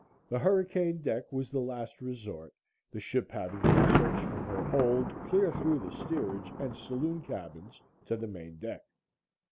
The hurricane deck was the last resort, the ship having been searched from her hold clear through the steerage and saloon cabins to the main deck.